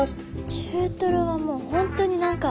中トロはもう本当に何か。